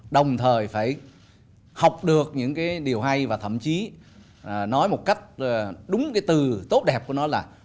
đồng thời phải học được những cái điều hay và thậm chí nói một cách đúng cái từ tốt đẹp của nó là